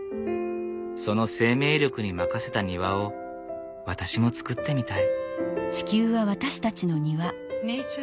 その生命力に任せた庭を私も造ってみたい。